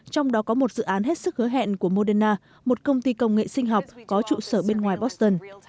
trong đó có một dự án hết sức hứa hẹn của moderna một công ty công nghệ sinh học có trụ sở bên ngoài boston